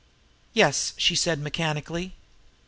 "Yes," she said mechanically.